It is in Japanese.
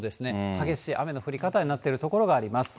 激しい雨の降り方になってる所があります。